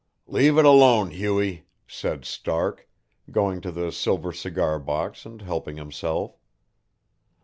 "Leave it alone, Hughie," said Stark, going to the silver cigar box and helping himself.